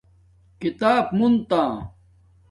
کتاب مونتا